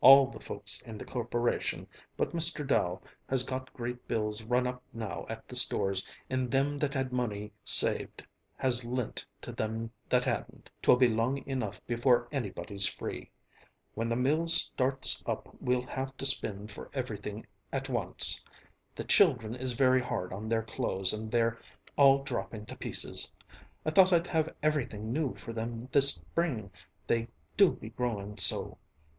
"All the folks in the Corporation, but Mr. Dow, has got great bills run up now at the stores, and thim that had money saved has lint to thim that hadn't 'twill be long enough before anybody's free. Whin the mills starts up we'll have to spind for everything at once. The children is very hard on their clothes and they're all dropping to pieces. I thought I'd have everything new for them this spring, they do be growing so.